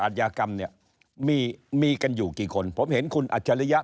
ยากรรมเนี่ยมีมีกันอยู่กี่คนผมเห็นคุณอัจฉริยะ